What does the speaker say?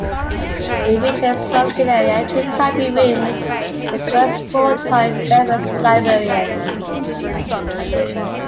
It featured a smoking area, two typing rooms, and its first full-time reference librarian.